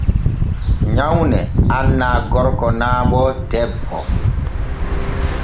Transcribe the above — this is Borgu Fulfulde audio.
Nyawne annaa gorko naa bo debbo.